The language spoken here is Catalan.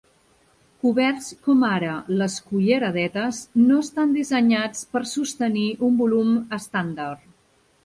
Coberts com ara les culleradetes no estan dissenyats per sostenir un volum estàndard.